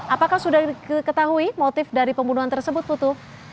apakah sudah diketahui motif dari pembunuhan tersebut putu